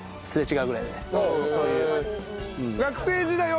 そういう。